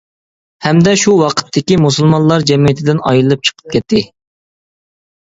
ھەمدە شۇ ۋاقىتتىكى مۇسۇلمانلار جەمئىيىتىدىن ئايرىلىپ چىقىپ كەتتى.